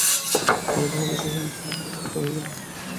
ক্রমে তাঁহার বিষয়সম্পত্তি ধীরে ধীরে নষ্ট হইয়া গেল।